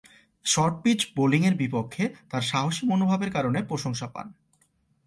Short-pitch বোলিংয়ের বিপক্ষে তার সাহসী মনোভাবের কারণে প্রশংসা পান।